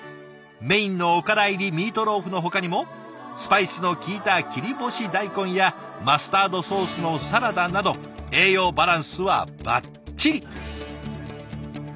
メインのおから入りミートローフのほかにもスパイスのきいた切り干し大根やマスタードソースのサラダなど栄養バランスはばっちり。